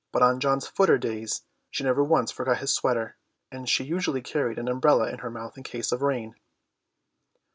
On John's footer days she never once forgot his sweater, and she usually carried an umbrella in her mouth in case of rain.